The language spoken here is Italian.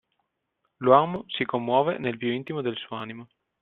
L'uomo si commuove nel più intimo del suo animo.